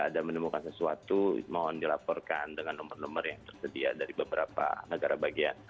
ada menemukan sesuatu mohon dilaporkan dengan nomor nomor yang tersedia dari beberapa negara bagian